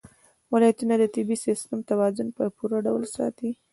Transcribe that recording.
ولایتونه د طبعي سیسټم توازن په پوره ډول ساتي.